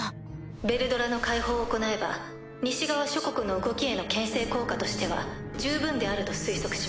ヴェルドラの解放を行えば西側諸国の動きへの牽制効果としては十分であると推測します。